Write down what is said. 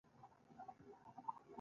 یا هم د مسألې په څنډه کې راغلې ده.